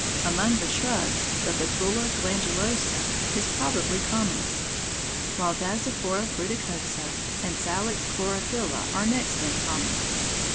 Among the shrubs the Betula glandulosa is probably commonest, while Dasiphora fruticosa and Salix chlorophylla are next in prominence.